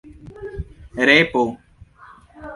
repo